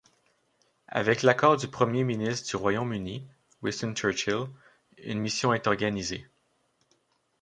Avec l'accord du premier ministre du Royaume-Uni Winston Churchill, une mission est organisée.